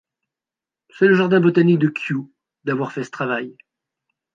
C'est le jardin Botanique de Kew d'avoir fait ce travail.